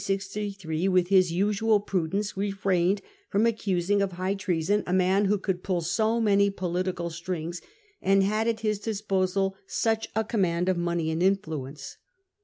63, with his usual prudence, re frained from accusing of high treason a man who could pull so many political strings, and had at his disposal such a command of money and influence.